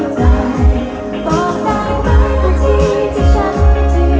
แต่สักครั้งโดยฉันในใจ